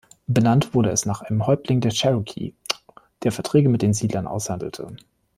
Benannt wurde es nach einem Häuptling der Cherokee, der Verträge mit den Siedlern aushandelte.